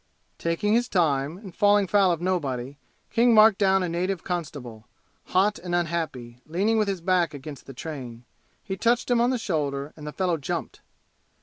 Taking his time, and falling foul of nobody, King marked down a native constable hot and unhappy, leaning with his back against the train. He touched him on the shoulder and the fellow jumped.